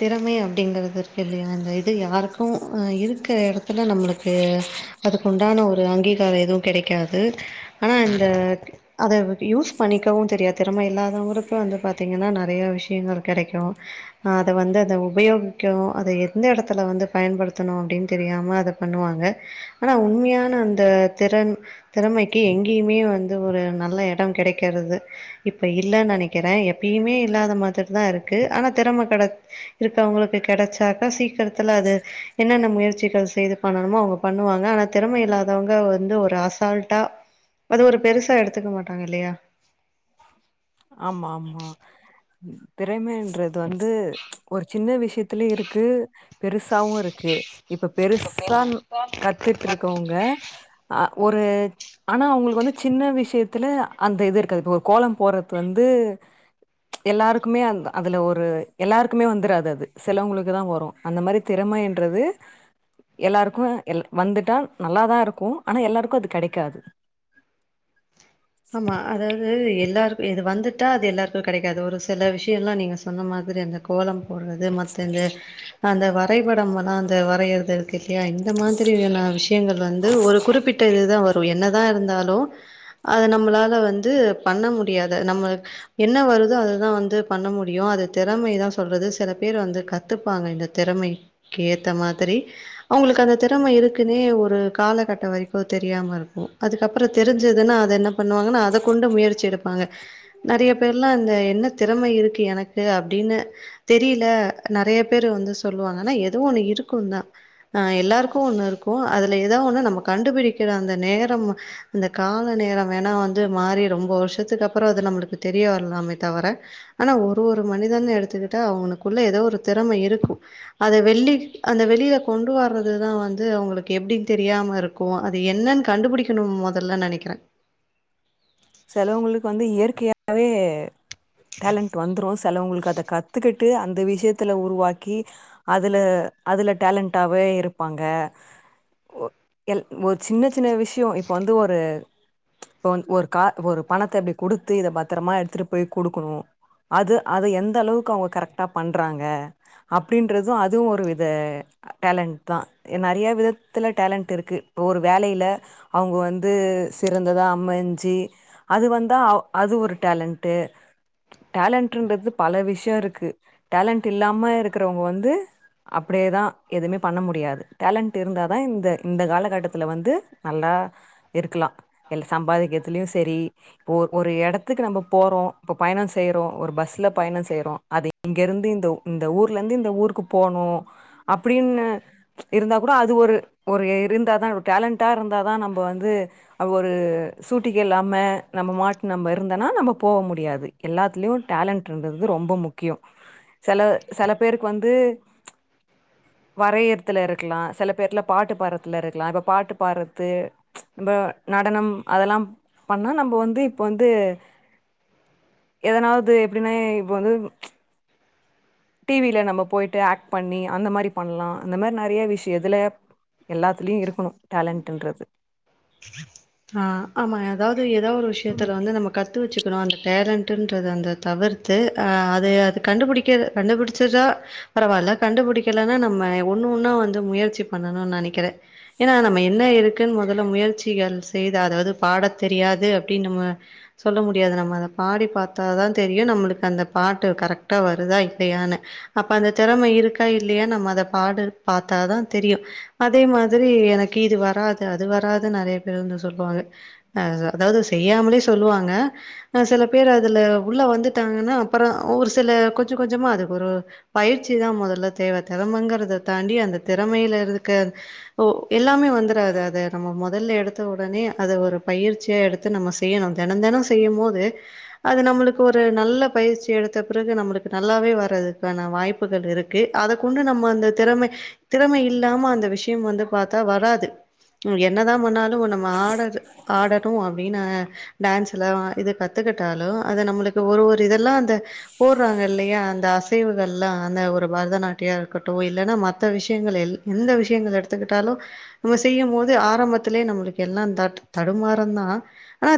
திறமை அப்படிங்கிறதுக்கு இல்லையா அந்த இது யாருக்கும்ஹ இருக்கிற இடத்துல நம்மளுக்கு அதுக்கு உண்டான ஒரு அங்கீகாரம் எதுவும் கிடைக்காது ஆனா இந்த அதை யூஸ் பண்ணிக்கவும் தெரியாது திறமை இல்லாதவங்களுக்கு வந்து பாத்தீங்கன்னா நிறைய விஷயங்கள் கிடைக்கும் அதை வந்து அதை உபயோகிக்கும் அதை எந்த இடத்துல வந்து பயன்படுத்தணும் அப்படின்னு தெரியாமல் அதை பண்ணுவாங்க ஆனால் உண்மையான அந்த திறன் திறமைக்கு எங்கேயுமே வந்து ஒரு நல்ல இடம் கிடைக்கிறது இப்போ இல்லைன்னு நினைக்கிறேன் எப்பயுமே இல்லாத மாதிரி தான் இருக்குது ஆனா திறமை இருக்கவங்களுக்கு கிடைச்சாக்க சீக்கிரத்து அது என்னென்ன முயற்சிகள் செய்து பண்ணணமோ அவங்க பண்ணுவாங்க ஆனா திறமை இல்லாதவங்க வந்து ஒரு ஆச சால்ட்டா அது ஒரு பெருசா எடுத்துக்க மாட்டாங்க இல்லையா ஆமா ஆமா திறமைன்றது து வந்து ஒரு சின்ன விஷயத்துலய இருக்கு பெருசாவும் இருக்கு இப்ப பெருசா கத்துட்டு இருக்கவங்க ஒரு ஆனா அவங்களுக்கு வந்து சின்ன விஷயத்துல அந்த இது இருக்காது ஒரு கோலம் போறது வந்து எல்லாருக்குமே அதுல ஒரு எல்லாருக்குமே வந்துராது அது சிலவங்களுக்கு தான் வரும் அந்த மாதிரி திறமைன்றது எல்லாருக்கும் எ வந்துட்டா நல்லாதான் இருக்கும் ஆனா எல்லாருக்கும் அது கிடைக்காது ஆமா அதாவது எல்லாருக்கும் இது வந்துட்டா அது எல்லாருக்கும் கிடைக்காது ஒரு சில விஷயம்லாம் நீங்க சொன்ன மாதிரி அந்த கோலம் போடுறது மத்த இது அந்த வரைபடமலா அந்த வரையறது இருக்கு [unintelligible] இந்த மாதிரியான விஷயங்கள் வந்து ஒரு குறிப்பிட்ட இதுதா வரு உ என்னதா இருந்தாலு அத நம்மளால வந்து பண்ண முடியாத நம்ம என்ன வருதோ அததா வந்து பண்ண முடியு அது திறமை தா சொல்றது சில பேர் வந்து கத்துப்பாங்க இந்த திறமைக்கு ஏத்த மாதிரி அவங்களுக்கு அந்த திறமை இருக்குன்னே ஒரு காலகட்ட வரைக்கு தெரியாம இருக்கு அதுக்கப்புறோ தெரிஞ்சுதுனா என்ன பண்ணுவங்கன்ன அத கொண்டு முயற்சி எடுப்ப பாங்க நறையா பேர்லா அந்த என்ன திறமை இருக்கு எனக்கு அப்டின்னு தெரியல நறையா பேர் வந்து சொல்லுவாங்கனா எதோ ஒண்ணு இருக்கு தா ஆ எல்லாருக்கு ஒண்ணு இருக்கும் போ அதுல ஏதா ஒண்ணு நம்ம கண்டுபிடிக்கிற அந்த நேரம் அந்த கால நேரம் வேணா வந்து மாறி ரொம்ப வருஷத்துக்கு அப்புறோ அது நம்மளுக்கு தெரிய வரலாமே தவிர ஆனா ஒரு ஒரு மனிதனு எடுத்துக்கிட்டா அவனுக்குள்ள ஏதோ ஒரு திறமை இருக்கு அத வெள்ளி அந்த வெளில கொண்டு வர்றது தா வந்து அவங்களுக்கு எப்டின்னு தெரியாம இருக்கு அது என்னனு கண்டுபிடிக்கணு மொதலனு நனைக்கிறே சிலவுங்களுக்கு வந்து இயற்கையாவே டேலண்ட் வந்துரு சிலவங்களுக்கு அத கத்துக்கிட் ட்டு அந்த விஷயத்துல உருவாக்கி அதுல அதுல டேலண்டவே இருப்பாங்க ஒரு சின்ன சின்ன விஷய இப்ப வந்து ஒரு இ பணத்த இப்டி குடுத்து பத்திரமா எடுத்து போய் குடுக்கணு அது அது எந்த அளவுக்குஅவங்க கரெக்டா பண்றாங்க அப்டின்ட்ரது அதுவு ஒரு வித டேலண்ட் தா நறையா விதத்துல டேலண்ட் இருக்கு ஒவ்வொரு வேலை ல அவங்க வந்து சிறந்ததா அமஞ்சி அது வந்தா அது ஒரு டேலண்ட் டேலண்ட்டுன்றது பல விஷய இருக்கு டேலன்ட் இல்லாம இருக்கறவங்க வந்து அப்டியேதா எதுமே பண்ண முடியாது டேலண்ட் இருந்த தா இந்த காலகட்டத்தில் வந்து நல்லா இருக்கலா எல்ல சம்பாதிக்கிறதுலயு சரி ஒரு ஒரு எடத்துக்கு நம்ம போறோ இப்ப பயணோ செய்றோ ஒரு பஸ்ல பயணம் செய்யறோ அது இங்க இருந்து இந்த ஊர்ல இருந்து இந்த ஊருக்கு போனு அப்டின்னு இருந்தா கூட அது ஒரு ஒரு இருந்தாதா ஒரு டேலண்ட் டா இருந்தாதா நம்ம வந்து ஒரு சூட்டிக்க இல்லாம நம்ம மாட்டு நம்ம இருந்தனா நம்ம போவ முடியாது எல்லாத்துலயு டேலண்ட்இருக்கற்து ரொம்ப முக்கியோ சில சில பேருக்கு வந்து வரயற்துல இருக்கலா சில பேர்ல பாட்டு பாடுறத்துல இருக்கலா இப்ப பாட்டு பாடற்து இப்ப நடனம் அதெல்லா பண்ணா நம்ம வந்து இப்ப வந்து எதனாவது எப்டின்னா இப்ப வந்து ச் டி வில நம்ம போயிட்டு ஆக்ட் பண்ணி அந்த மாரி பண்ணலா இந்தந்த மாரி நறையா விஷய இதுல எல்லாத்துலயு இருக்கணு டேலண்ட்டுன்றது ஆ ஆமா ஏதாவது ஏதோ ஒரு விஷயத்துல வந்து நம்ம கத்து வச்சுக்கணு அந்த டேலண்ட் ட்டுன்றத தவிர்த்து அ அதே அது கண்டுபிடிக்க கண்டுபிடிச்சதா பரவாயில்ல கண்டுபிடிக்கலைன்னா நம்ம ஒன்னு ஒன்னா வந்து முயற்சி பண்ணணு நனைக்கிறே ஏன்னா நம்ம என்ன இருக்குன்னு முதல்ல முயற்சிகள் தேதா அதாவது பாட தெரியாது அப்டின்னு நம்ம சொல்ல முடியாது நம்ம அத பாடி பாத்தாதா தெரியு நம்மளுக்கு அந்த பாட்டு கரெக்டா வருதா இல்லையான்னு அப்ப அந்த திறமை இருக்கா இல்லையா நம்ம அத பாடு பாத்தாதா தெரியு அதே மாதிரி எனக்கு இது வராது அது வராது நறைய பேர் வந்து சொல்லுவாங்க அதாவது செய்யாமலே சொல்லுவாங்க சில பேர் அதுல உள்ள வந்துட்டாங்கன்னா அப்புறோ ஒரு சில கொஞ்ச கொஞ்சமா ஒர ஒரு அதுக்கு ஒரு பயிற்சி தா முதல்ல தேவ திறமைங்கறத தாண்டி அந்த திறமையில இருக்க எல்லாமே வந்துராது அத நம்ம முதல்ல எடுத்து உடனே அத ஒரு பயிற்சியா எடுத்து நம்ம செய்யணு தென தெனோ செய்யும் போது அது நம்மளுக்கு ஒரு நல்ல பயிற்சி எடுத் த்த பிறகு நம்மளுக்கு நல்லாவே வரதுக்கான வாய்ப்புகள் இருக்கு அத கொண்டு நம்ம அந்த திறமை திறமை இல்லாம அந்த விஷயம் வந்து பார்த்தா வராது என்னதா நம்ம ஆடரு ஆடணு அப்டின்னு டான்ஸ்ல்லா இது பத் கத்துக்கிட்டாலு அது நம்மளுக்கு ஒரு ஒரு இத எல்லா அந்த போட்றாங்க இல்லையா அந் இந்த அசைவுகள்லா அந்த ஒரு பரதநாட்டியோ இருக்கட்டு இல்லனா மத்த விஷயங்கள் எ எந்த விஷயங்கள் எடுத்துக்கிட்டாலு நம்ம செய்யும் போது ஆரம்பத் லே நம் எல்லா தட்டுதடுமாறுந்தா ஆனா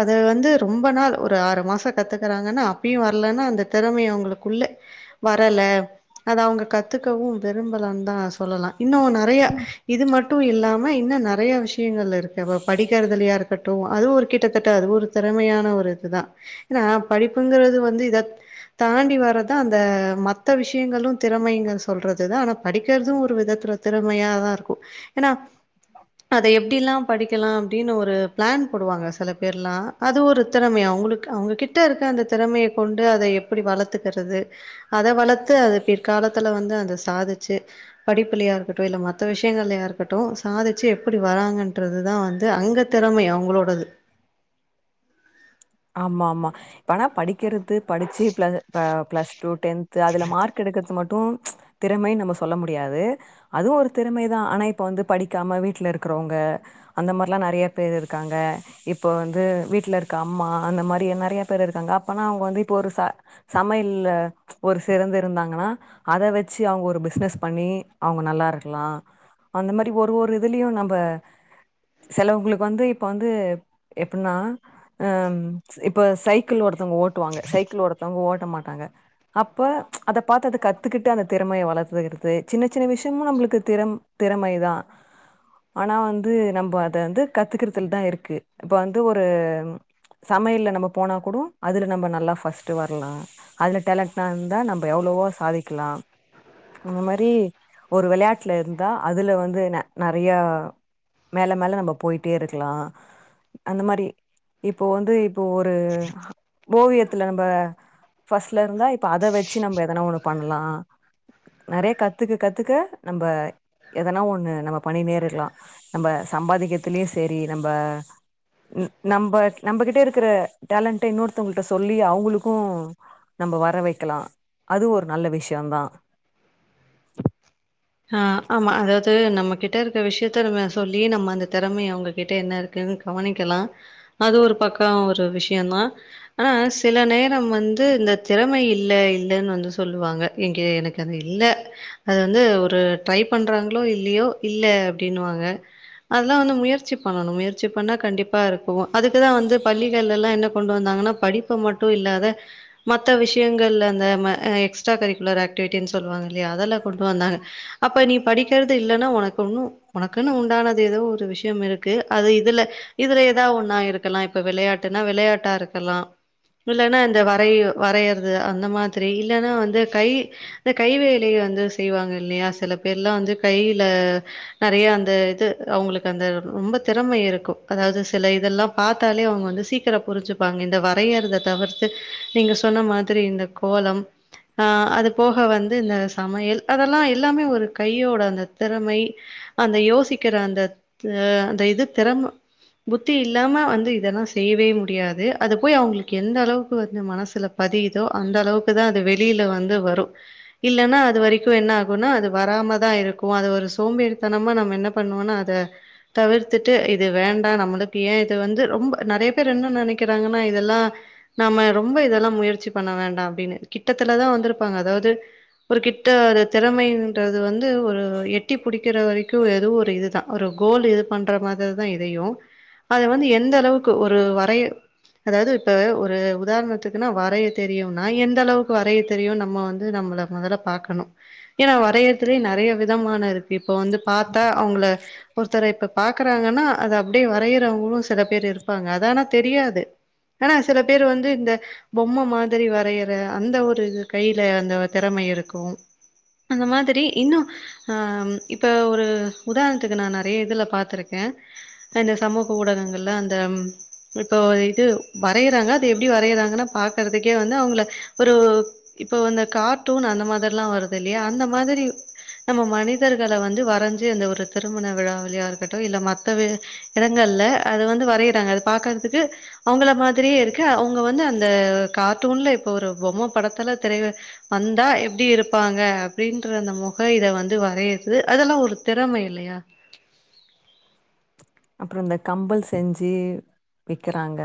அத வந்து ரொம்ப நாள் ஒரு ஆறு மாச கத்துக்குறாங்கன அப்பயு வரல்லன அந்த தெறம அவுங்களுக்குள்ள வரல அது அவுங்க கத்துக்கவு விரும்பலான் தா சொல்லலா இன்னு நெறயா இது மட்டு மட்டு இல்லாம இன்னு நெறய விஷயங்கள் இருக்கு படிக்கிறதுலயா இருக்கட்டு அது ஒரு கிட்டத்தட்ட அது ஒரு திறமையான ஒரு இதுதா ஏன்னா படிப்புங்குறது வந்து இத தாண்டி வரதா அந்த மத்த விஷயங்களு திறமைங்க சொல்றதுதா ஆனா படிக்குறது ஒரு விதத்துல திறமையாதா இருக்கு ஏன்னா அத எப்டில்லா படிக்கலா அப்டின்னு ஒரு பிளான் போடுவாங்க சில பேர்லா அது ஒரு திறமைய அவுங்களுக்கு அவுங்ககிட்ட இருக்க அந்த திறமைய கொண்டு அத எப்டி வளர்த்துக்குறது அத வளத்து அது பிற்காலத்துல வந்து அந்த சாதிச்சு படிப்பிலியா இருக்கட்டு இல்ல மத்த விஷய ஏகலையா இருக்கட்டு சாதுச்சு எப்டி வராங்கன் ன்றதுதா வந்து அங்க திறமை அவுங்களோடது ஆமா ஆமா ஆனா படிக்குறது படிச்சு ப பிளஸ் டூ டென்த்து அதுல மார்க் எடுக்குறது மட்டு திறமைன்னு நம்ம சொல்ல முடியாது அதுவு ஒரு திறமைதா ஆனா இப்ப வந்து படிக்காம வீட்ல இருக்குறவுங்க அந்த மாரிலா நெறய பேர் இருக்காங்க இப்ப வந்து வீட்ல இருக்க அம்மா அந்த மாரி நெறய பேர் இருக்காங்க அப்பனா அவுங்க வந்து இப்ப ஒரு சமயல் ஒரு சிறந்த இருந்தாங்கன்னா அத வச்சு அவங்க ஒரு பிசினஸ் பண்ணி அவுங்க நல்லா இருக்கலா அந்த மாரி ஒரு ஒரு இதுலயு நம்ப செலவுகளுக்கு வந்து இப்ப வந்து எப்டின்னா ஆ இப்ப சைக்கிள் ஒரு த்வங்க ஓட்டுவாங்க சைக்கிள் ஒருத்தவங்க ஓட்ட மாட்டாங்க அப்ப அத பாத்து அத கத்துக்கிட்டு அந்த திறமைய வளர்த்துகிறது சின்ன சின்ன விஷயமு நம்மளுக்கு திற திறமை தா ஆனா வந்து நம்ப அத வந்து கத்துக்குறதுல தா இருக்கு இப்ப வந்து ஒரு சமையல்ல நம்ம போனா கூட அதுல நம்ம நல்லா ஃபஸ்ட்டு வரலா அதுல டேலண்ட்னா இருந்தா நம்ம எவ்வளவோ சாதிக்கலா அந்த மாரி ஒரு விளையாட்டுல இருந்தா அதுல வந்து ந நெறய மேல மேல நம்ம போயிட்டே இருக்கலா அந்த மாரி இப்போ வந்து இப்போ ஒரு ஓவியத்ல நம் ஃபஸ்ட்ல இருந்தா இப்ப அத வச்சு நம்ம எதனா ஒன்னு பண்லா நெறய கத்துக்க கத்துக்க நம்ம எதனா ஒன்னு நம்ம பண்ணி நேரிடலா நம்ப சம்பாதிக்கத்துலயு சேரி நம்ப நம்ப நம்பகிட்ட இருக்குற டேலண்ட்ட இன்னொருத்தவங்களிட்ட சொல்லி அவுங்களுக்கு நம்ம வர வக்கலா அது ஒரு நல்ல விஷயோ தா ஆ ஆமா அதாவது நம்ம கிட்ட இருக்க விஷயத்த நம்ம சொல்லி நம்ம அந்த தெறமை அவுங்ககிட்ட என்ன இருக்குன்னு கவனிக்கலா அது ஒரு பக்கோ ஒரு விஷயந்தான் ஆனா சில நேரம் வந்து இந்த திறமை இல்ல இல்லன்னு வந்து சொல்லுவாங்க இங்க எனக்கு அது இல்ல அது வந்து ஒரு ட்ரை பண்றாங்களோ இல்லையோ இல்ல அப்டினுவாங்க அதெல்லா வந்து முயற்சி பண்ணணு முயற்சி பண்ணா கண்டிப்பா இருக்கு அதுக்கு தா வந்து பள்ளிகளலெல்லா என்ன கொண்டு வந்தாங்கன்னா படிப்ப மட்டு இல்லாத மத்த விஷயங்கள் அந்த எக்ஸ்ட்ரா கரிக்குலர் ஆக்டிவிட்டின்னு சொல்லுவாங்க இல்லையா அதெல்லா கொண்டு வந்தாங்க அப்ப நீ படிக்குறது இல்லன்னா ஒனக்கு ஒன்னு ஒனக்குன்னு உண்டானது ஏதோ ஒரு விஷயம் இருக்கு அது இதுல இதுல ஏதா ஒன்னா இருக்கலா இப்ப விளையாட்டுன்னா விளையாட்டா இருக்கலா இல்லன்னா இந்த வரைய வரையறது அந்த மாரி இல்லன்னா வந்து கை இந்த கைவேல வந்து செய்வாங்க சில பேர்லா வந்து கையில நெறய அந்த இது அவுங்களுக்கு அந்த ரொம்ப திறமை இருக்கு அதாவது சில இதெல்லா பாத்தாலே அவுங்க வந்து சீக்கிரம் புரிஞ்சுப்பாங்க இந்த வரையறத தவிர்த்து நீங்க சொன்ன மாரி இந்த கோலம் ஆ அது போக வந்து இந்த சமையல் அதெல்லா எல்லாமே ஒரு கையோட அந்த திறமை அந்த யோசிக்கிற அந்த அ அந்த இது திறமை புத்தி இல்லாம வந்து இதெல்லா செய்யவே முடியாது அது போய் அவுங்களுக்கு எந்த அளவுக்கு வந்து மனசுல பதியுதோ அந்த அளவுக்கு தா அது வெளியில வந்து வரு இல்லன்னா அது வரைக்கு என்ன அது வராமதா இருக்கு அது ஒரு சோம்பேறித்தனமா நம்ம என்ன பண்ணுவோனா அத தவிர்த்துட்டு இது வேண்டா நம்மளுக்கு ஏ இது வந்து ரொம்ப நெறய பேர் என்ன நெனக்குறாங்கன்னா இதெல்லா நாம ரொம்ப இதெல்லா முயற்சி பண்ண வேண்டா அப்டின்னு கிட்டத்தலதா வந்திருப்பாங்க அதாவது ஒரு கிட்ட திறமைன்றது வந்து ஒரு எட்டி பிடிக்கிற வரைக்கு எதோ ஒரு இதுதா ஒரு கோல் இது பண்ற மாரிதா இதையு அது வந்து எந்த அளவுக்கு ஒரு வரைய அதாவது இப்ப ஒரு உதாரணத்து குன்னா வரைய தெரியுன்னா எந்த அளவுக்கு வரைய தெரியும் நம்ம வந்து நம்மள மெதல்ல பாக்கணு ஏனா வரையதுலே நெறைய விதமான இருக்கு இப்ப வந்து பாத்தா அவுங்ள ஒருத்தரை இப்ப பாக்குறாங்கன்னா அது அப்டியே வரையறவங்களும் சில பேர் இருப்பாங்க அது ஆனா தெரியாது ஆனா சில பேரு வந்து இந்த பொம்ம மாதிரி வரையிற அந்த ஒரு கைல அந்த தெறம இருக்கும் அந்த மாதிரி இன்னு ஆ இப்ப ஒரு உதாரணத்துக்கு நா நெறைய இதுல பாத்துருக்கேன் இந்த சமூக ஊடகங்கள்ல அந்த இப்போ இது வரையிறாங்க அது எப்டி வரையிறாங்கன்னா பாக்கறதுக்கே வந்து அவுங்கள ஒரு இப்போ இந்த கார்ட்டூன் அந்த மாதிரிலா வரு து இல்லயா அந்த மாதிரி நம்ம மனிதர்கள வந்து வரைஞ்சி அந்த ஒரு திருமண விழாவுளயா இருக்கட்டும் இல்ல மத்த எடங்கள்ல அது வந்து வரையிறாங்க அது பாக்குறதுக்கு அவுங்கள மாதிரியே இருக்கு அவுங்க வந்து அந்த அ கார்ட்டூனுல இப்போ ஒரு பொம்ம படத்துல திரைல வந்தா எப்டி இருப் பாங்க அப்டின்ற அந்த முக இத வந்து வரையிறது அதெல்லா ஒரு திறமை இல்லியா அப்புற இந்த கம்பல் செஞ்சு விக்கிறாங்க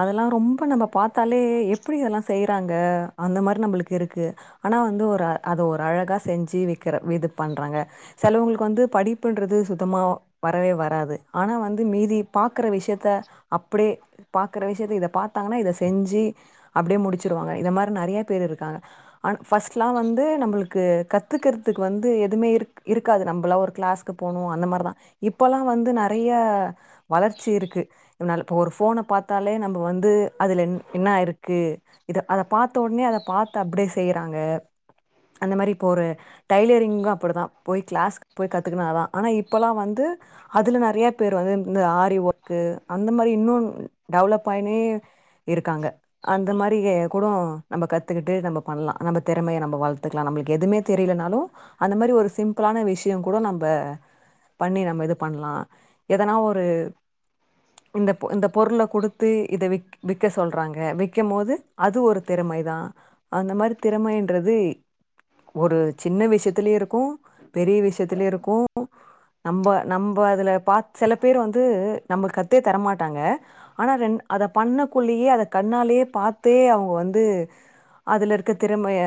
அதெல்லா ரொம்ப நம்ம பாத்தாலே எப்டி இதெல்லா செய்யிறாங்க அந்த மாரி நம்மளுக்கு இருக்கு ஆனா வந்து ஒரு அத ஒரு அழகா செஞ்சு விக்கிற இது பண்றாங்க சிலவங்களுக்கு வந்து படிப்புன்றது சுத்தமா வரவே வராது ஆனா வந்து மீதி பாக்குற விஷயத்த அப்டியே பாக்கற விஷயத்த இத பாத்தாங்கன்னா இத செஞ்சு அப்டியே முடிச்சுருவாங்க இத மாரி நெறைய பேரு இருக்காங்க ஆன பஸ்ட்லா வந்து நம்மளுக்கு கத்துக்கறதுக்கு வந்து எதுவுமே இரு இருக்காது நம்மல்லா ஒரு கிளாஸ்க்கு போணும் அந்த மார்தா இப்போல்லா வந்து நெறைய வளர்ச்சி இருக்கு நா இப்போ ஒரு போனை பாத்தாலே நம்ம வந்து அதுல என்னா இருக்கு இத அத பாத்தாலே ஒடனே அத பாத்து அப்டியே செய்யிறாங்க அந்த மாரி இப்போ ஒரு டைலரிங்கும் அப்டிதா போயி கிளாஸ்கு போயி கத்துக்குணா தா ஆனா இப்பல்லா வந்து அதுல நெறைய பேரு வந்து இந்த ஆரி ஒர்க்கு அந்த மாரி இன்னும் டெவலப் ஆயினே இருக்காங்க அந்த மாரி கூட நம்ம கத்துக்குட்டு நம்ம நம்ம தெறமைய நம்ம வளத்துக்கலாம் நம்ளுக் எதுமே தெரியலனாலு அந்த மாரி ஒரு சிம்பிளான விஷயம் கூட நம்ம பண்ணி நம்ம இது பண்லா எதனா ஒரு இந்த போ இந்த பொருள்ல கொடுத்து இத விக் விக்க சொல்றாங்க விக்கம்போது அது ஒரு திறமைதா அந்த மாரி திறமைன்றது ஒரு சின்ன விஷயத்துலயு இருக்கும் பெரிய விஷ்யத்துலயு இருக்கும் நம்ப நம்ப அதுல பாத்து சில பேர் வந்து நம்மக்கு கத்தே தரமாட்டாங்க ஆனா ரெண் அத பண்ணகுள்ளயே அத கண்ணாலயே பாத்து அவுங்க வந்து அதுலருக்க திறமைய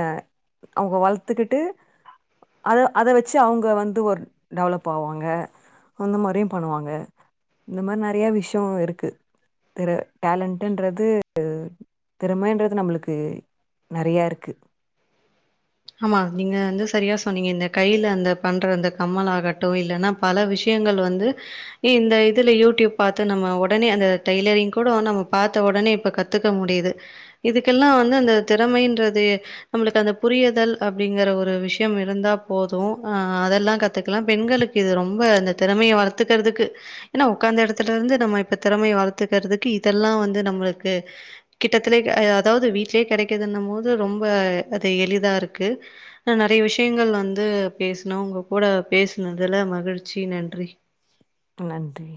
அவுங்க வளத்துக்கிட்டு அத வச்சு அவுங்க வந்து ஒரு டெவலப் ஆவாங்க அந்த மாரியும் பண்ணுவாங்க இந்த மாரி நெறைய விஷ்யோ இருக்கு திற டேலண்டன்றது திறமைன்றது நம்மளுக்கு நெறய இருக்கு ஆமா. வந்து சரியா நீங்க இந்த கைய அந்த பண்ற அந்த கம்மல் ஆகட்டும் இல்லன்னா பல விஷயங்கள் வந்து இந்த இதுல யூடியூப் பாத்து நம்ம ஒடனே அந்த டெய்லரிங் கூட நம்ம பாத்த ஒடனே இப்ப கத்துக்க முடியுது இதுக்கெல்லா வந்து அந்த திறமைன்றது நம்மளுக்கு அந்த புரிய புரிதல் அப்டிங்கிற ஒரு விஷயம் இருந்தா போதும் அ அதெல்லா கத்துக்கலாம் பெண்களுக்கு இது ரொம்ப அந்த திறமைய வளத்துக்கறதுக்கு ஏன்னா ஒக்காந்த எடத்துல இருந்து நம்ம இப்ப திறமைய வளத்துக்கறதுக்கு இதெல்லா வந்து நம்மளுக்கு கிட்டத்துலே அதாவுது வீட்லே கெடைக்குதுன்னும் போது ரொம்ப அது எளிதாருக் கு ஹ நெறைய விஷயங்கள் வந்து பேசனோ உங்க கூட பேசினதுல மகிழ்ச்சி நன்றி நன்றி